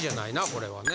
これはね。